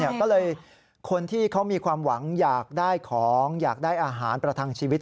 ก็เลยคนที่เขามีความหวังอยากได้ของอยากได้อาหารประทังชีวิต